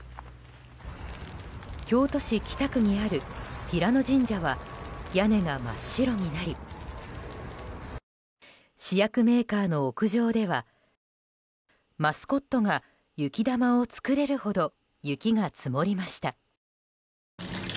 京都市北区にある平野神社は屋根が真っ白になり試薬メーカーの屋上ではマスコットが雪玉を作れるほど雪が積もりました。